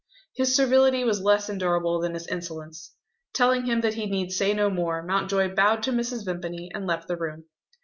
His servility was less endurable than his insolence. Telling him that he need say no more, Mountjoy bowed to Mrs. Vimpany, and left the room.